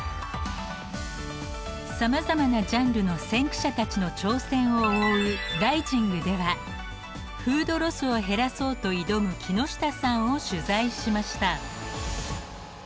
さまざまなジャンルの先駆者たちの挑戦を追う「ＲＩＳＩＮＧ」ではフードロスを減らそうと挑む木下さんを取材しました。